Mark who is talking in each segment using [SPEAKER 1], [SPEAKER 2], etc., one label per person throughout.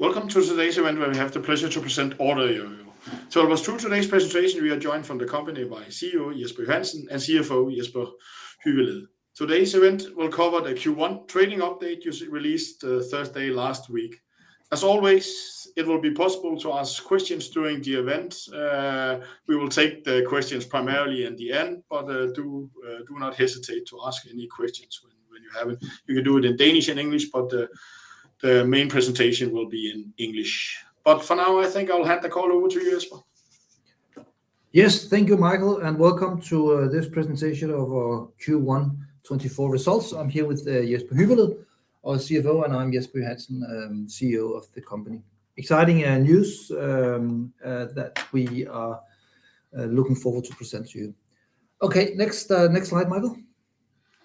[SPEAKER 1] Welcome to today's event, where we have the pleasure to present OrderYOYO. So to walk us through today's presentation, we are joined from the company by CEO Jesper Johansen and CFO Jesper Hyveled. Today's event will cover the Q1 trading update just released Thursday last week. As always, it will be possible to ask questions during the event. We will take the questions primarily in the end, but do, do not hesitate to ask any questions when, when you have it. You can do it in Danish and English, but the main presentation will be in English. But for now, I think I'll hand the call over to you, Jesper.
[SPEAKER 2] Yes. Thank you, Michael, and welcome to this presentation of our Q1 2024 results. I'm here with Jesper Hyveled, our CFO, and I'm Jesper Johansen, CEO of the company. Exciting news that we are looking forward to present to you. Okay, next slide, Michael.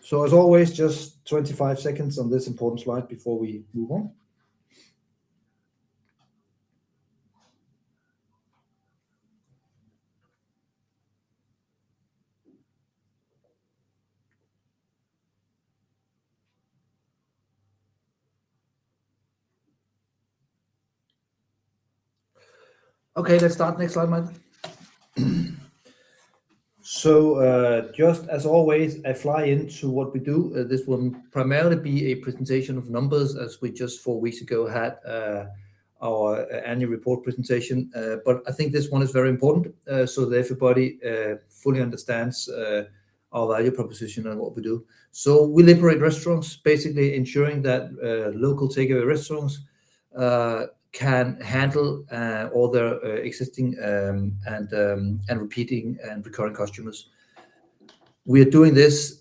[SPEAKER 2] So as always, just 25 seconds on this important slide before we move on. Okay, let's start. Next slide, Michael. So, just as always, a fly into what we do. This will primarily be a presentation of numbers, as we just four weeks ago had our annual report presentation. But I think this one is very important, so that everybody fully understands our value proposition and what we do. So we liberate restaurants, basically ensuring that local takeaway restaurants can handle all their existing and repeating and recurring customers. We are doing this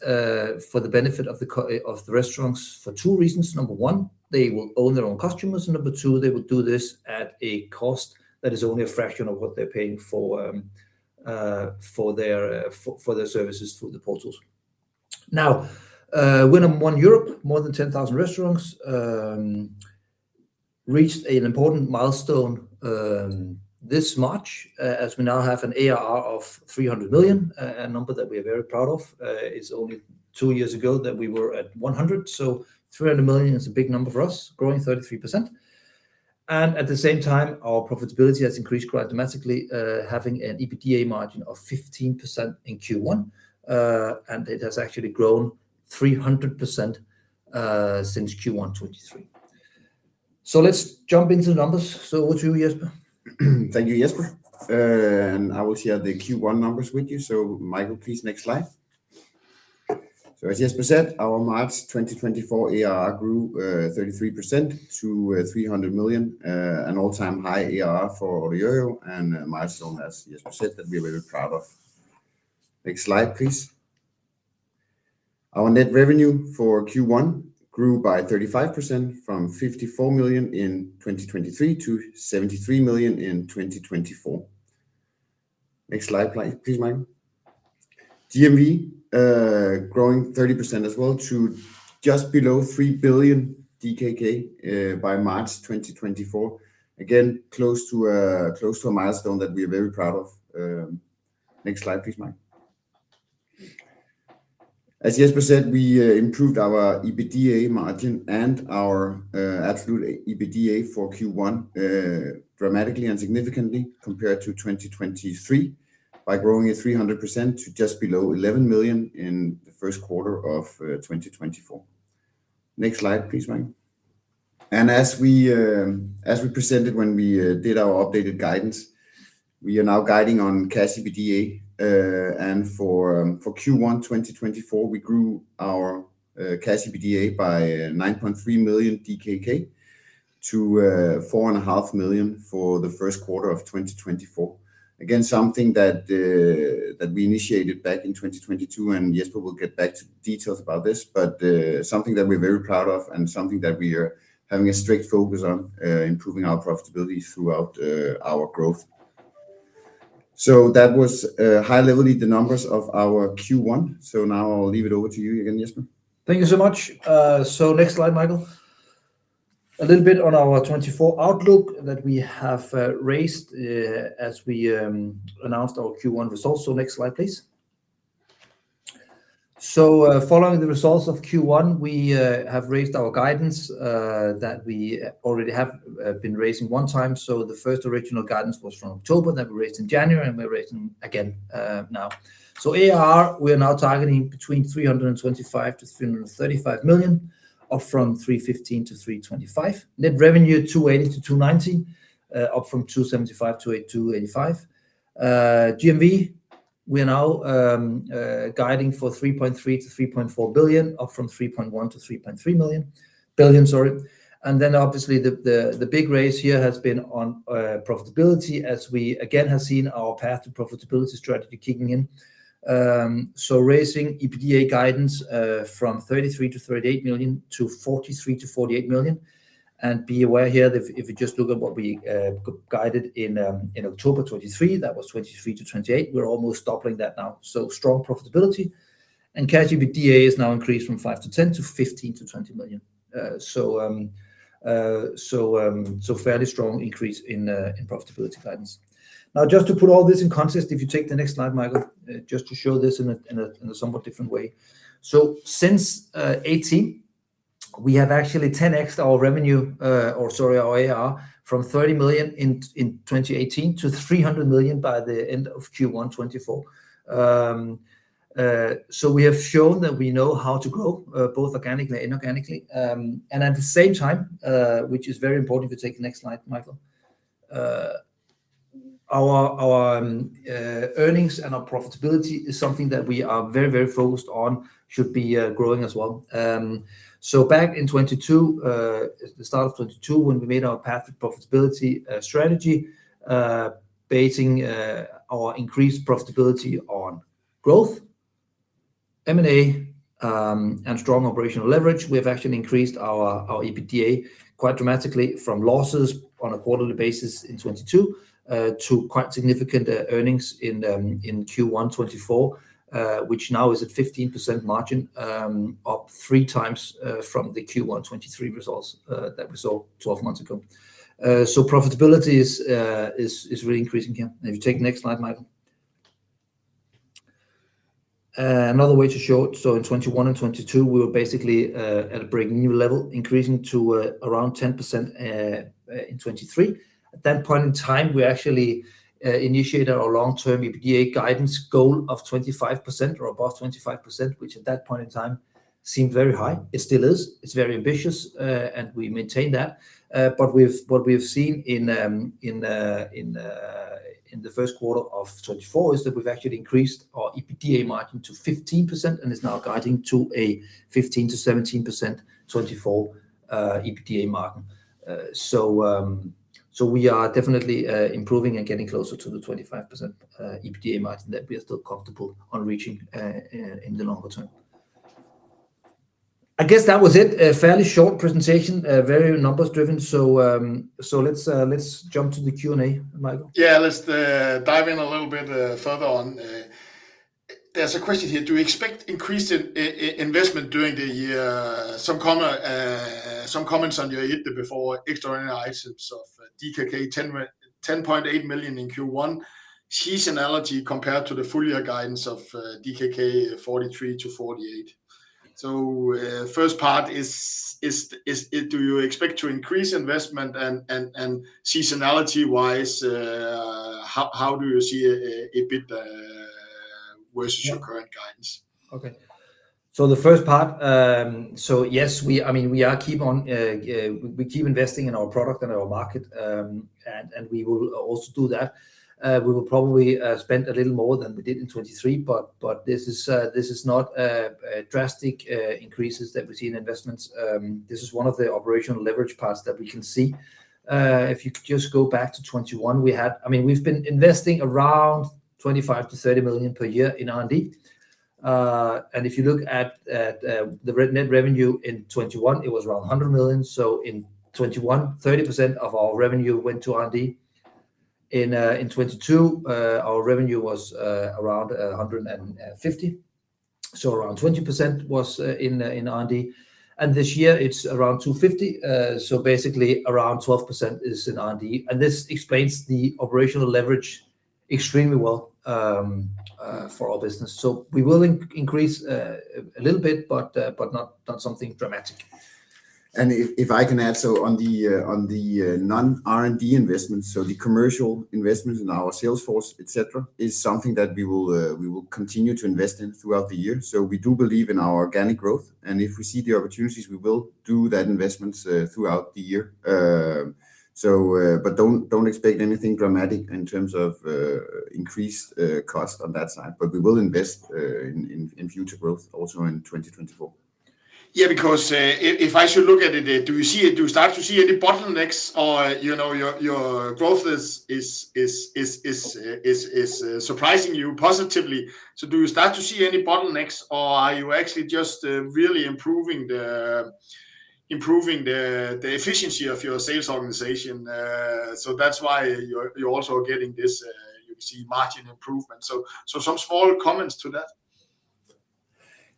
[SPEAKER 2] for the benefit of the restaurants for two reasons. Number one, they will own their own customers, and number two, they will do this at a cost that is only a fraction of what they're paying for their services through the portals. Now, we're number one Europe, more than 10,000 restaurants, reached an important milestone this March, as we now have an ARR of 300 million, a number that we are very proud of. It's only two years ago that we were at 100 million, so 300 million is a big number for us, growing 33%. At the same time, our profitability has increased quite dramatically, having an EBITDA margin of 15% in Q1. It has actually grown 300% since Q1 2023. Let's jump into the numbers. Over to you, Jesper.
[SPEAKER 3] Thank you, Jesper. And I will share the Q1 numbers with you. So Michael, please, next slide. So as Jesper said, our March 2024 ARR grew 33% to 300 million, an all-time high ARR for OrderYOYO, and a milestone, as Jesper said, that we are very proud of. Next slide, please. Our net revenue for Q1 grew by 35%, from 54 million in 2023 to 73 million in 2024. Next slide, please, Michael. GMV growing 30% as well to just below 3 billion DKK by March 2024. Again, close to a milestone that we are very proud of. Next slide, please, Michael. As Jesper said, we improved our EBITDA margin and our absolute EBITDA for Q1 dramatically and significantly compared to 2023 by growing it 300% to just below 11 million in the first quarter of 2024. Next slide, please, Michael. And as we presented when we did our updated guidance, we are now guiding on Cash EBITDA. And for Q1 2024, we grew our Cash EBITDA by 9.3 million DKK to 4.5 million for the first quarter of 2024. Again, something that we initiated back in 2022, and Jesper will get back to details about this, but something that we're very proud of and something that we are having a strict focus on improving our profitability throughout our growth. So that was, high-levelly, the numbers of our Q1. So now I'll leave it over to you again, Jesper.
[SPEAKER 2] Thank you so much. So next slide, Michael. A little bit on our 2024 outlook that we have raised as we announced our Q1 results. So next slide, please. So, following the results of Q1, we have raised our guidance that we already have been raising one time. So the first original guidance was from October, then we raised in January, and we're raising again now. So ARR, we are now targeting between 325 million-335 million, up from 315 million-325 million. Net revenue, 280 million-290 million, up from 275 million-285 million. GMV, we are now guiding for 3.3 billion-3.4 billion, up from 3.1 billion-3.3 billion, sorry. Then, obviously, the big raise here has been on profitability as we again have seen our path to profitability strategy kicking in. So raising EBITDA guidance from 33 million-38 million to 43 million-48 million. Be aware here that if you just look at what we guided in October 2023, that was 23 million-28 million. We're almost doubling that now. So strong profitability and Cash EBITDA has now increased from 5 million-10 million to 15 million-20 million. So fairly strong increase in profitability guidance. Now, just to put all this in context, if you take the next slide, Michael, just to show this in a somewhat different way. So since 18-... We have actually 10x our revenue, or sorry, our ARR, from 30 million in 2018 to 300 million by the end of Q1 2024. So we have shown that we know how to grow, both organically and inorganically. And at the same time, which is very important. If you take the next slide, Michael. Our earnings and our profitability is something that we are very, very focused on, should be growing as well. So back in 2022, the start of 2022, when we made our path to profitability strategy, basing our increased profitability on growth, M&A, and strong operational leverage, we have actually increased our EBITDA quite dramatically from losses on a quarterly basis in 2022 to quite significant earnings in Q1 2024, which now is at 15% margin, up 3x from the Q1 2023 results that we saw 12 months ago. So profitability is really increasing here. If you take the next slide, Michael. Another way to show it, so in 2021 and 2022, we were basically at a break-even level, increasing to around 10% in 2023. At that point in time, we actually initiated our long-term EBITDA guidance goal of 25%, or above 25%, which at that point in time seemed very high. It still is. It's very ambitious, and we maintain that. But what we've seen in the first quarter of 2024 is that we've actually increased our EBITDA margin to 15%, and is now guiding to a 15%-17% 2024 EBITDA margin. So we are definitely improving and getting closer to the 25% EBITDA margin that we are still comfortable on reaching in the longer term. I guess that was it. A fairly short presentation, very numbers driven. So let's jump to the Q&A, Michael.
[SPEAKER 1] Yeah, let's dive in a little bit further on. There's a question here: Do you expect increased investment during the year? Some comment, some comments on your EBITDA before extraordinary items of DKK 10.8 million in Q1. Seasonality compared to the full year guidance of DKK 43 million-48 million. So, first part is—do you expect to increase investment? And seasonality-wise, how do you see EBITDA versus your current guidance?
[SPEAKER 2] Okay. So the first part, so yes, I mean, we keep investing in our product and our market, and we will also do that. We will probably spend a little more than we did in 2023, but this is not drastic increases that we see in investments. This is one of the operational leverage parts that we can see. If you could just go back to 2021, I mean, we've been investing around 25 million-30 million per year in R&D. And if you look at the net revenue in 2021, it was around 100 million. So in 2021, 30% of our revenue went to R&D. In 2022, our revenue was around 150 million. So around 20% was in R&D, and this year it's around 250 million. So basically around 12% is in R&D, and this explains the operational leverage extremely well for our business. So we will increase a little bit, but not something dramatic.
[SPEAKER 3] If I can add, on the non-R&D investments, the commercial investment in our sales force, et cetera, is something that we will continue to invest in throughout the year. We do believe in our organic growth, and if we see the opportunities, we will do that investments throughout the year. But don't expect anything dramatic in terms of increased cost on that side. We will invest in future growth also in 2024.
[SPEAKER 1] Yeah, because if I should look at it, do you see it—do you start to see any bottlenecks or, you know, your growth is surprising you positively? So do you start to see any bottlenecks or are you actually just really improving the efficiency of your sales organization? So that's why you're also getting this; you see margin improvement. So some small comments to that.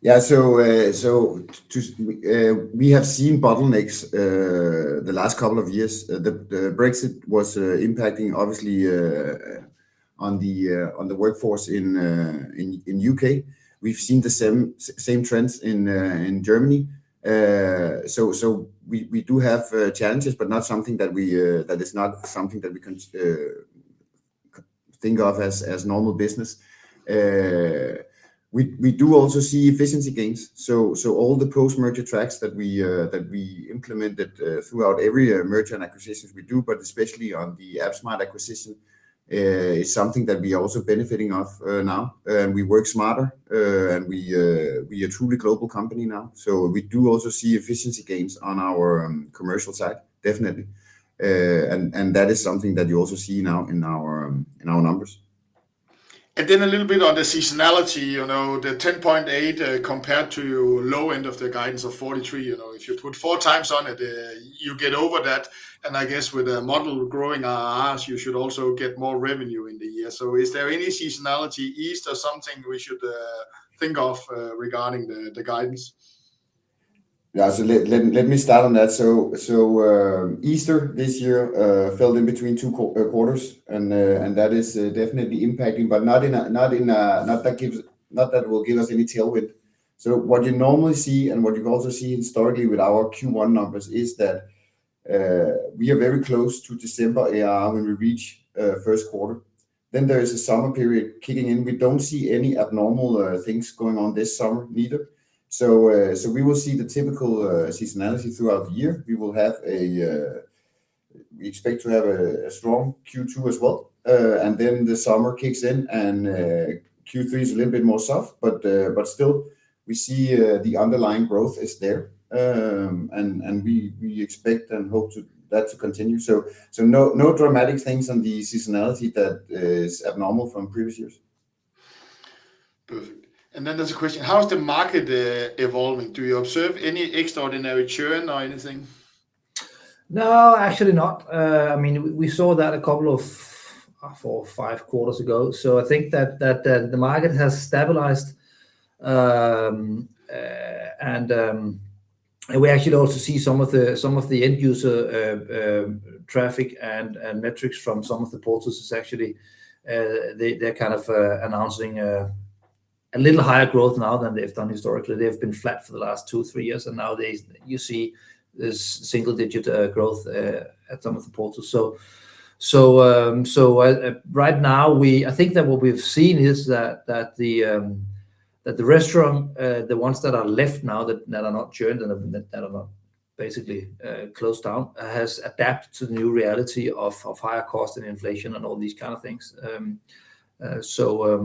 [SPEAKER 3] Yeah. So we have seen bottlenecks, the last couple of years. The Brexit was impacting obviously on the workforce in U.K. We've seen the same trends in Germany. So we do have challenges, but not something that we that is not something that we can think of as normal business. We do also see efficiency gains. So all the post-merger tracks that we implemented throughout every merger and acquisitions we do, but especially on the app smart acquisition, is something that we are also benefiting of now. We work smarter, and we are truly global company now. So we do also see efficiency gains on our commercial side, definitely. And that is something that you also see now in our numbers.
[SPEAKER 1] Then a little bit on the seasonality, you know, the 10.8, compared to low end of the guidance of 43. You know, if you put 4x on it, you get over that. And I guess with the model growing ARR, you should also get more revenue in the year. So is there any seasonality, Easter, something we should think of regarding the guidance?
[SPEAKER 3] Yeah. So let me start on that. So, Easter this year fell in between two quarters, and that is definitely impacting, but not in a way that will give us any tailwind. So what you normally see, and what you've also seen historically with our Q1 numbers, is that we are very close to December ARR when we reach first quarter. Then there is a summer period kicking in. We don't see any abnormal things going on this summer either. So we will see the typical seasonality throughout the year. We will have a, we expect to have a strong Q2 as well. And then the summer kicks in and, Q3 is a little bit more soft, but still we see, the underlying growth is there. And we expect and hope to-- that to continue. So no dramatic things on the seasonality that is abnormal from previous years.
[SPEAKER 1] Perfect. And then there's a question: How is the market evolving? Do you observe any extraordinary churn or anything?
[SPEAKER 2] No, actually not. I mean, we saw that a couple of four or five quarters ago, so I think that the market has stabilized. And we actually also see some of the end user traffic and metrics from some of the portals is actually, they're kind of announcing a little higher growth now than they've done historically. They've been flat for the last 2-3 years, and now you see this single-digit growth at some of the portals. Right now, I think that what we've seen is that the restaurants, the ones that are left now that are not churned and that are not basically closed down, has adapted to the new reality of higher cost and inflation and all these kind of things. So,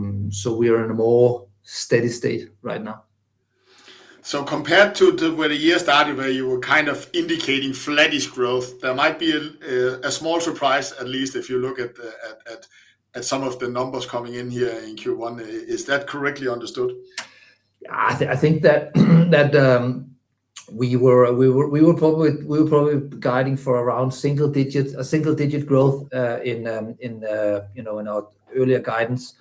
[SPEAKER 2] we are in a more steady state right now.
[SPEAKER 1] Compared to where the year started, where you were kind of indicating flattish growth, there might be a small surprise, at least if you look at some of the numbers coming in here in Q1. Is that correctly understood?
[SPEAKER 2] Yeah, I think that, we were probably guiding for around single digits—a single digit growth, in, you know, in our earlier guidance,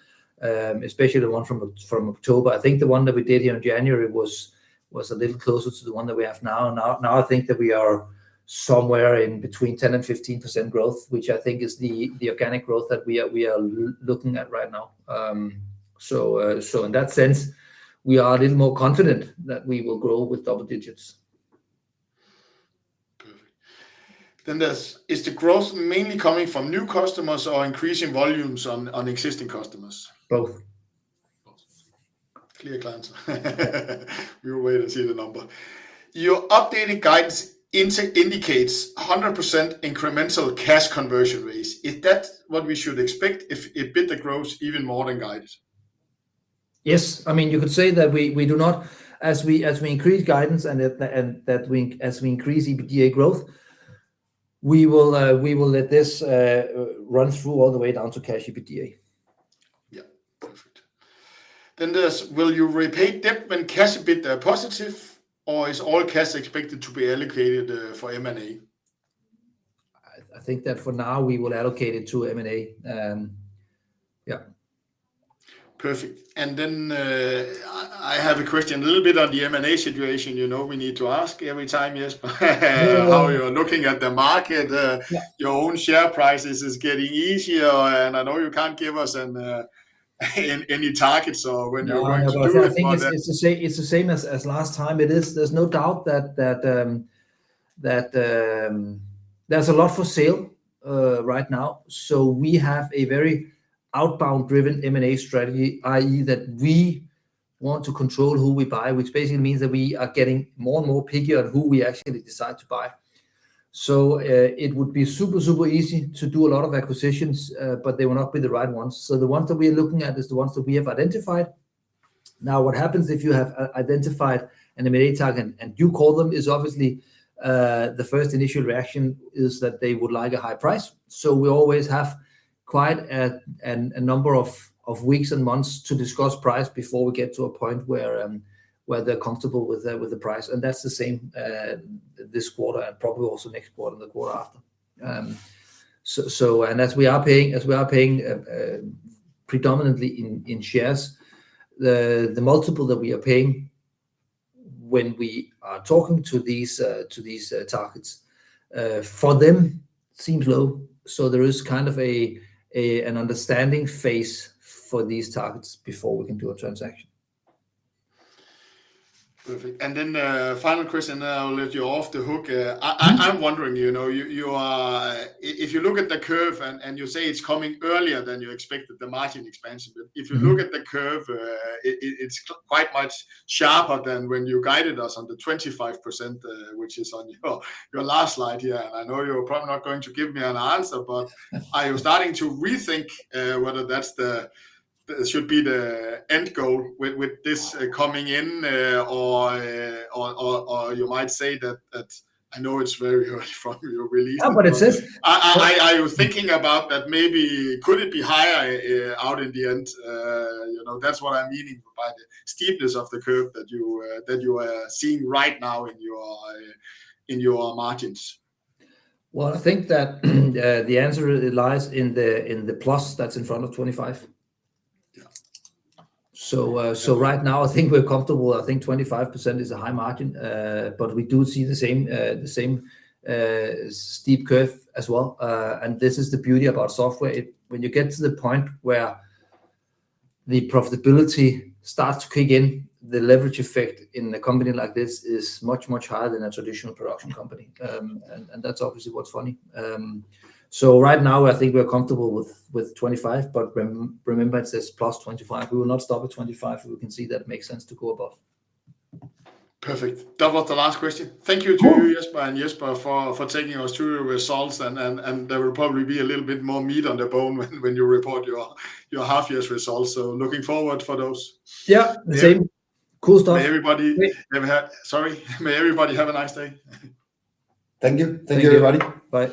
[SPEAKER 2] especially the one from October. I think the one that we did here in January was a little closer to the one that we have now. Now, I think that we are somewhere between 10% and 15% growth, which I think is the organic growth that we are looking at right now. So, in that sense, we are a little more confident that we will grow with double digits.
[SPEAKER 1] Perfect. Then there's: Is the growth mainly coming from new customers or increasing volumes on, on existing customers?
[SPEAKER 2] Both.
[SPEAKER 1] Both. Clear answer. We will wait and see the number. Your updated guidance indicates a 100% incremental cash conversion rate. Is that what we should expect if EBITDA grows even more than guided?
[SPEAKER 2] Yes. I mean, you could say that we, we do not... As we, as we increase guidance and it, and that we, as we increase EBITDA growth, we will, we will let this run through all the way down to Cash EBITDA.
[SPEAKER 1] Yeah. Perfect. Then there's: Will you repay debt when Cash EBITDA positive, or is all cash expected to be allocated for M&A?
[SPEAKER 2] I, I think that for now we will allocate it to M&A. Yeah.
[SPEAKER 1] Perfect. And then, I have a question a little bit on the M&A situation. You know, we need to ask every time, yes?
[SPEAKER 2] Mm-hmm.
[SPEAKER 1] How you're looking at the market?
[SPEAKER 2] Yeah...
[SPEAKER 1] your own share prices is getting easier, and I know you can't give us any targets or when you are going to do that, but-
[SPEAKER 2] No, I think it's the same, it's the same as last time. There's no doubt that, that, there's a lot for sale right now. So we have a very outbound-driven M&A strategy, i.e., that we want to control who we buy, which basically means that we are getting more and more picky on who we actually decide to buy. So it would be super, super easy to do a lot of acquisitions, but they will not be the right ones. So the ones that we are looking at is the ones that we have identified. Now, what happens if you have identified an M&A target and you call them, is obviously the first initial reaction is that they would like a high price. So we always have quite a number of weeks and months to discuss price before we get to a point where they're comfortable with the price. And that's the same this quarter and probably also next quarter and the quarter after. And as we are paying predominantly in shares, the multiple that we are paying when we are talking to these targets for them seems low. So there is kind of an understanding phase for these targets before we can do a transaction.
[SPEAKER 1] Perfect. And then, final question, and then I'll let you off the hook.
[SPEAKER 2] Mm-hmm.
[SPEAKER 1] I'm wondering, you know, you are—if you look at the curve and you say it's coming earlier than you expected, the margin expansion-
[SPEAKER 2] Mm-hmm...
[SPEAKER 1] if you look at the curve, it’s quite much sharper than when you guided us on the 25%, which is on your last slide here. And I know you’re probably not going to give me an answer, but... I was starting to rethink whether that’s the should be the end goal with this coming in, or you might say that... I know it’s very early from your release, but-
[SPEAKER 2] No, but it's this.
[SPEAKER 1] I was thinking about that maybe could it be higher out in the end? You know, that's what I'm meaning by the steepness of the curve that you that you are seeing right now in your in your margins.
[SPEAKER 2] Well, I think that the answer lies in the plus that's in front of 25.
[SPEAKER 1] Yeah.
[SPEAKER 2] So right now I think we're comfortable. I think 25% is a high margin, but we do see the same steep curve as well. And this is the beauty about software. When you get to the point where the profitability starts to kick in, the leverage effect in a company like this is much, much higher than a traditional production company. And that's obviously what's funny. So right now I think we're comfortable with 25, but remember it says +25. We will not stop at 25, if we can see that it makes sense to go above.
[SPEAKER 1] Perfect. That was the last question.
[SPEAKER 2] Cool.
[SPEAKER 1] Thank you to you, Jesper and Jesper, for taking us through your results and there will probably be a little bit more meat on the bone when you report your half year's results. So looking forward for those.
[SPEAKER 2] Yeah, the same.
[SPEAKER 1] Yeah.
[SPEAKER 2] Cool stuff.
[SPEAKER 1] Sorry, may everybody have a nice day.
[SPEAKER 2] Thank you.
[SPEAKER 1] Thank you.
[SPEAKER 2] Thank you, everybody. Bye.